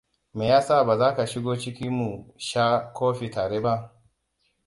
Meyasa baza ka shigo ciki mu sha Kofi tare ba?